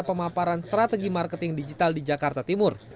pemaparan strategi marketing digital di jakarta timur